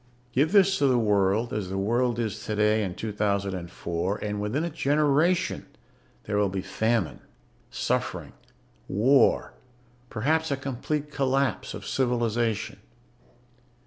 "Give this to the world, as the world is today in 2004, and within a generation there will be famine, suffering, war. Perhaps a complete collapse of civilization.